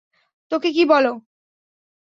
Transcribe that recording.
তোকে কি বলো?